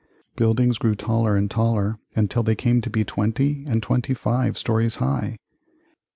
Buildings grew taller and taller until they came to be twenty and twenty five stories high.